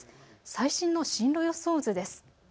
最新の進路予想図です。